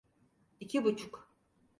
İki buçuk.